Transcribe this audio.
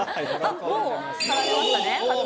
もう貼られましたね。